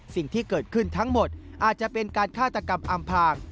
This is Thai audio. สิ่งที่เกิดขึ้นทั้งหมดอาจจะเป็นการฆาตกรรมอำพาง